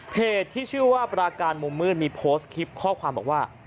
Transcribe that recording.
ที่ชื่อว่าปราการมุมมืดมีโพสต์คลิปข้อความบอกว่า